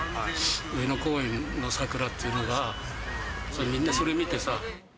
上野公園の桜っていうのが、みんなそれ見てさ。